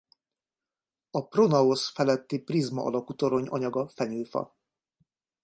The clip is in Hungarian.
A pronaosz feletti prizma alakú torony anyaga fenyőfa.